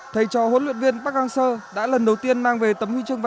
thầy trò huấn luyện viên park hang seo đã lần đầu tiên mang về tấm huy chương vàng